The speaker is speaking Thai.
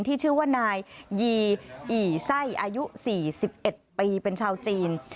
ที่ชื่อว่านายยีอีไส้อายุ๔๑ปีเป็นชาวจีน